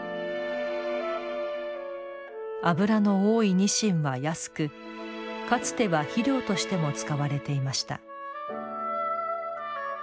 脂の多いにしんは安くかつては、肥料としても使われていました。